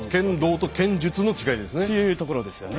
というところですよね。